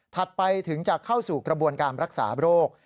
ไปถึงจะเข้าสู่กระบวนการรักษาโรค